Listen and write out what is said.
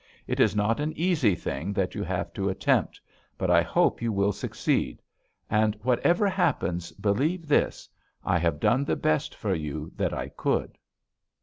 It is not an easy thing that you have to attempt, but I hope you will succeed. And, whatever happens, believe this: I have done the best for you that I could!'